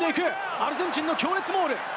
アルゼンチンの強烈モール。